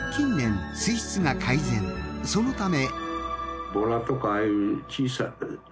そのため。